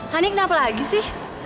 hani kenapa lagi sih